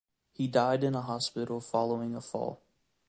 He died in a hospital following a fall.